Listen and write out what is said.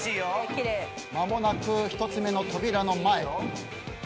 間もなく１つ目の扉の前。